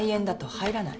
入んない。